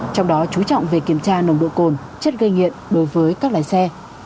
trong đó chú trọng về kiểm tra nồng độ cồn chất gây nghiện đối với các lái xe